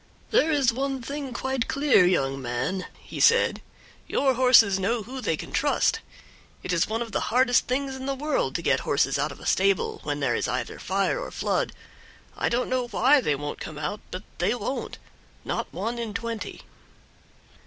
"There is one thing quite clear, young man," he said, "your horses know who they can trust; it is one of the hardest things in the world to get horses out of a stable when there is either fire or flood. I don't know why they won't come out, but they won't not one in twenty."